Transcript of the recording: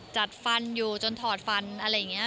จัดฟันอยู่จนถอดฟันอะไรอย่างนี้